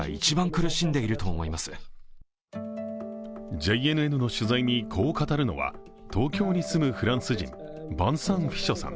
ＪＮＮの取材に、こう語るのは東京に住むフランス人ヴァンサン・フィショさん。